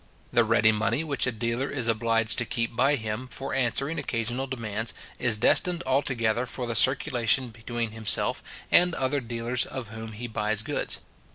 The ready money which a dealer is obliged to keep by him, for answering occasional demands, is destined altogether for the circulation between himself and other dealers of whom he buys goods.